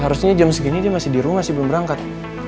harusnya jam segini dia masih di rumah sih belum berangkat